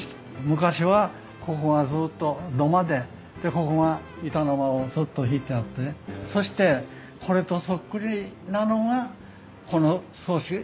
昔はここがずっと土間でここが板の間をずっと敷いてあってそしてこれとそっくりなのがこの少し向こうにあるろうそく屋さん。